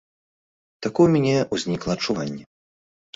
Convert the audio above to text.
Такое ў мяне ўзнікла адчуванне.